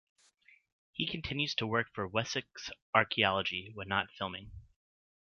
He continues to work for Wessex Archaeology when not filming.